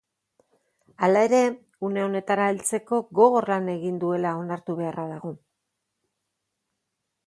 Hala ere, une honetara heltzeko gogor lan egin duela onartu beharra dago.